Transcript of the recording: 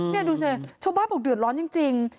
นี่ดูสิชาวบ้านบอกเดือดร้อนจริง